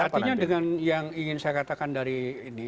artinya dengan yang ingin saya katakan dari ini